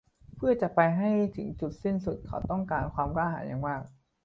เพื่อจะไปให้ถึงจุดสิ้นสุด เขาต้องการความกล้าหาญอย่างมาก